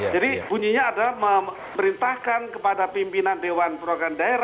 jadi bunyinya adalah memerintahkan kepada pimpinan dewan perwakilan negeri